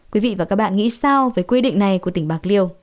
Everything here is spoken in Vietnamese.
quý vị và các bạn nghĩ sao về quy định này của tỉnh bạc liêu